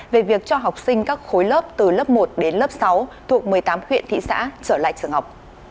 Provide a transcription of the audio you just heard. về việc cho học sinh các khối lớp từ lớp một đến lớp sáu thuộc một mươi tám huyện thị xã trở lại trường học